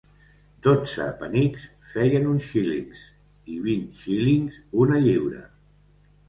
Dotze penics feien un xílings i vint xílings, una lliura.